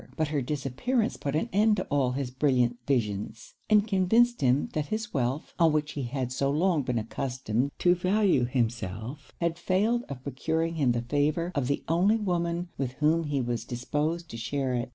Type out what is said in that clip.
But her disappearance put an end to all his brilliant visions; and convinced him that his wealth, on which he had so long been accustomed to value himself, had failed of procuring him the favour of the only woman with whom he was disposed to share it.